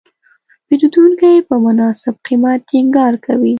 پیرودونکی په مناسب قیمت ټینګار کوي.